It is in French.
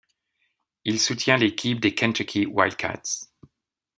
Il soutient l'équipe des Kentucky Wildcats.